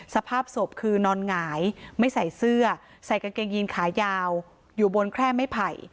สภาพศพคือนอนหงายไม่ใส่เสื้อใส่กางเกงยีนขายาวอยู่บนแคร่ไม่ไผ่